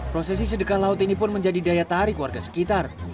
prosesi sedekah laut ini pun menjadi daya tarik warga sekitar